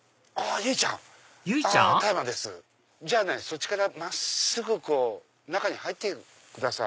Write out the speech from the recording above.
由依ちゃん⁉じゃあそっちから真っすぐ中に入ってください。